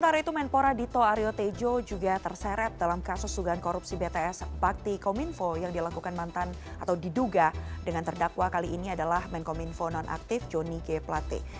sementara itu menpora dito aryo tejo juga terseret dalam kasus sugan korupsi bts bakti kominfo yang dilakukan mantan atau diduga dengan terdakwa kali ini adalah menkominfo nonaktif joni g plate